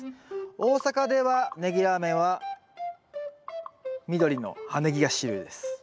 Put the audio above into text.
大阪ではネギラーメンは緑の葉ネギが主流です。